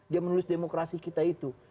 dia menulis demokrasi kita itu